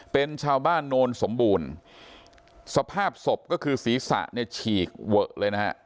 เป็นชาวบ้านโนนสมบูรณ์สภาพศพก็คือศีรษะเนี่ยฉีกเวอะเลยนะฮะ